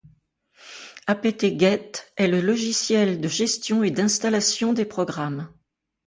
Apt-get est le logiciel de gestion et d'installation des programmes.